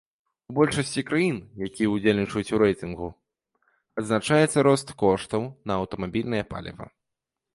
У большасці краін, якія ўдзельнічаюць у рэйтынгу, адзначаецца рост коштаў на аўтамабільнае паліва.